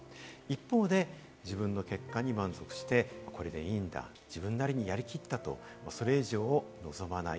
一方で、自分の結果に満足して、これでいいんだ、自分なりにやり切ったと、それ以上を望まない。